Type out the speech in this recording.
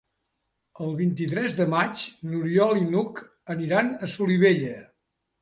El vint-i-tres de maig n'Oriol i n'Hug aniran a Solivella.